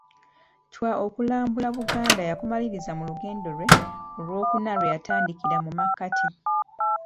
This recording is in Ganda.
Chwa okulambula Buganda yakumaliriza mu lugendo lwe olw'okuna lwe yatandikira mu makkati.